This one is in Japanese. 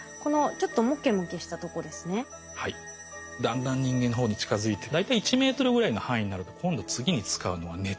だんだん人間の方に近づいて大体１ｍぐらいの範囲になると今度次に使うのが熱。